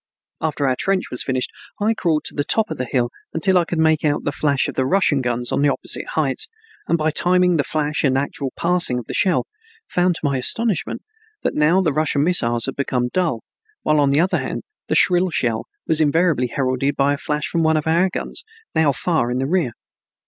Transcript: After our trench was finished I crawled to the top of the hill until I could make out the flash of the Russian guns on the opposite heights and by timing flash and actual passing of the shell, found to my astonishment that now the Russian missiles had become dull, while on the other hand, the shrill shell was invariably heralded by a flash from one of our guns, now far in the rear.